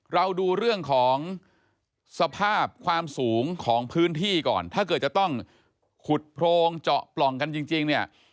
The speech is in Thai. เราดูเรื่องของสภาพความสูงของพื้นที่ก่อนถ้าเกิดจะต้องขุดโพรงเจาะปล่องกันจริงเนี่ย